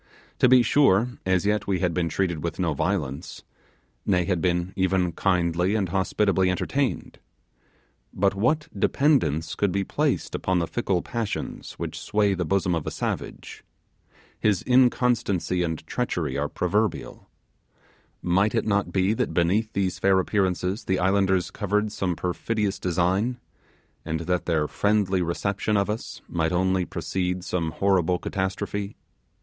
To be sure, as yet we had been treated with no violence; nay, had been even kindly and hospitably entertained. But what dependence could be placed upon the fickle passions which sway the bosom of a savage? His inconstancy and treachery are proverbial. Might it not be that beneath these fair appearances the islanders covered some perfidious design, and that their friendly reception of us might only precede some horrible catastrophe?